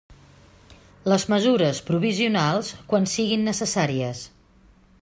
Les mesures provisionals quan siguin necessàries.